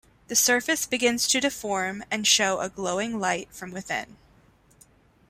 The surface begins to deform and show a glowing light from within.